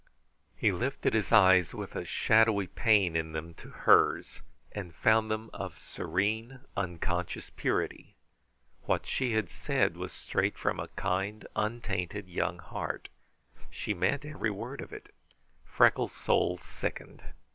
He lifted his eyes with a shadowy pain in them to hers, and found them of serene, unconscious purity. What she had said was straight from a kind, untainted, young heart. She meant every word of it. Freckles' soul sickened.